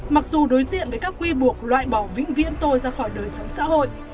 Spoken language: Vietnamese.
mặc dù đối diện với các quy buộc loại bỏ vĩnh viễn tôi ra khỏi đời sống xã hội